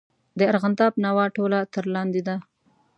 د ارغنداب ناوه ټوله تر لاندې ده.